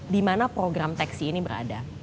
di mana program teksi ini berada